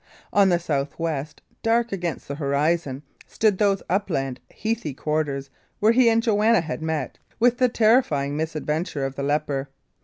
On the south west, dark against the horizon, stood those upland, heathy quarters where he and Joanna had met with the terrifying misadventure of the leper.